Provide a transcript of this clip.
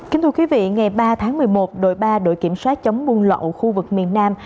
kính thưa quý vị ngày ba tháng một mươi một đội ba đội kiểm soát chống buôn lậu khu vực miền nam